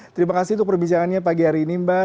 terima kasih untuk perbicaraannya pagi hari ini mbak